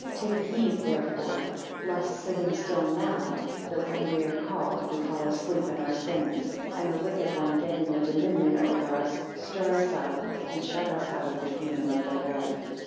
15 Take heed therefore lest sitting still now, that when we are called, we fall asleep in our sins; and the wicked one getting the dominion over us, stir us up, and shut us out of the kingdom of the Lord.